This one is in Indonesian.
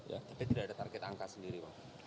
tapi tidak ada target angka sendiri bang